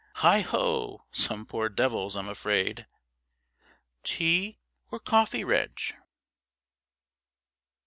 Heigho! some poor devils, I'm afraid ' 'Tea or coffee, Reg?'